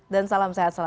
dan salam sehat selalu